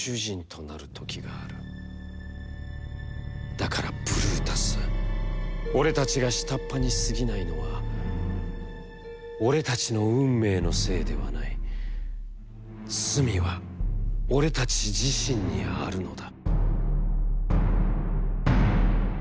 だから、ブルータス、俺たちが下っ端にすぎないのは、俺たちの運命のせいではない、罪は俺たち自身にあるのだ！」。